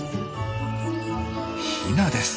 ヒナです。